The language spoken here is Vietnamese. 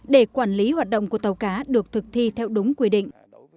để quản lý hoạt động của tàu cá được thực thi theo đúng quy định